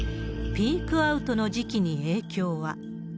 ピークアウトの時期に影響は。